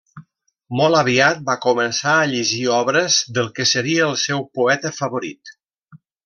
Molt aviat va començar a llegir obres del que seria el seu poeta favorit: